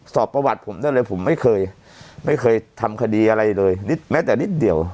สอบประวัติผมได้เลยผมไม่เคยไม่เคยทำคดีอะไรเลยนิดแม้แต่นิดเดียว